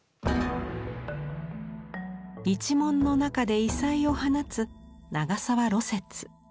一門の中で異彩を放つ長沢芦雪。